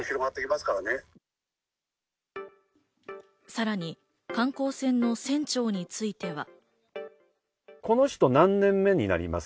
さらに観光船の船長については。